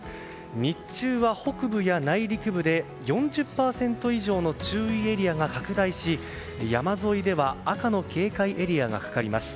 日中は北部や内陸部で４０％以上の注意エリアが拡大し、山沿いでは赤の警戒エリアがかかります。